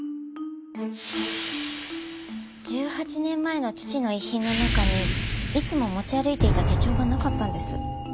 １８年前の父の遺品の中にいつも持ち歩いていた手帳がなかったんです。